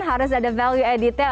harus ada value added nya